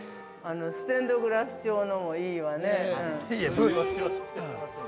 ◆ステンドグラス調のもいいわね。